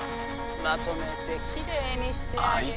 まとめてきれいにしてあげる。